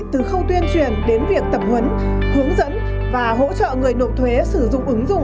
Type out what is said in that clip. từ khâu tuyên truyền đến việc tập huấn hướng dẫn và hỗ trợ người nộp thuế sử dụng ứng dụng